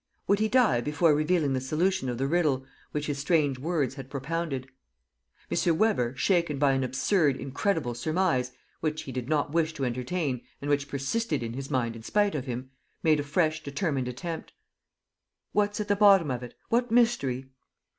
Would he die before revealing the solution of the riddle which his strange words had propounded? M. Weber, shaken by an absurd, incredible surmise, which he did not wish to entertain and which persisted in his mind in spite of him, made a fresh, determined attempt: "Explain the thing to us. ... What's at the bottom of it? What mystery?"